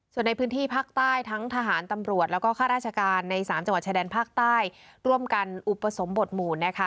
ส่วนในพื้นที่ภาคใต้ทั้งทหารตำรวจแล้วก็ข้าราชการในสามจังหวัดชายแดนภาคใต้ร่วมกันอุปสมบทหมู่นะคะ